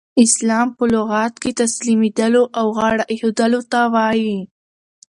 اسلام په لغت کښي تسلیمېدلو او غاړه ایښودلو ته وايي.